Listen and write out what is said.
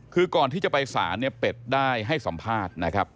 คือก่อนที่จะไปสารเนี่ยเป็ดได้ให้สัมภาษณ์นะครับ